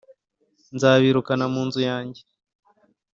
Nzabirukana mu nzu yanjye,